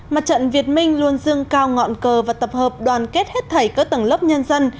mặt trận việt minh luôn dương cao ngọn cờ và tập hợp đoàn kết hết thảy các tầng lớp nhân dân